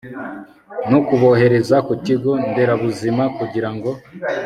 no kubohereza ku kigo nderabuzima kugira ngo